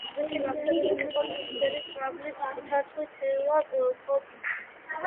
ტყეში გავრცელებული იყო წიფელი, წაბლი, ცაცხვი, თელა, კოპიტი.